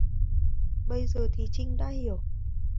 bây giờ thì Trinh đã hiểu